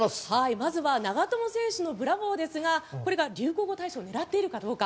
まずは長友選手のブラボーですがこれが流行語大賞を狙っているかどうか。